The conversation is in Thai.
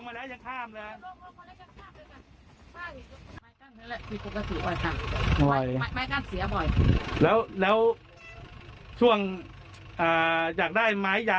เวลาเวลานี้ล่ะทางไฟก่อนคนกันข้ามด้วยกัน